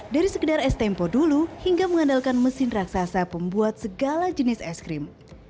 dari sekedar es tempo dulu hingga mengandalkan mesin raksasa pembuat segala jenis es krim